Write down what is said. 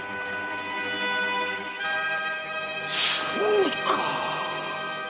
そうか！